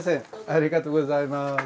ありがとうございます。